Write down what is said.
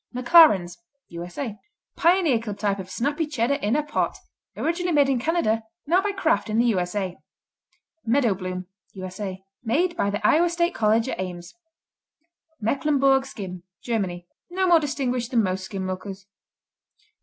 McLaren's U.S.A. Pioneer club type of snappy Cheddar in a pot, originally made in Canada, now by Kraft in the U.S.A. Meadowbloom U.S.A. Made by the Iowa State College at Ames. Mecklenburg Skim Germany No more distinguished than most skim milkers.